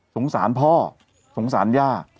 สงสารพ่อสงสารย่า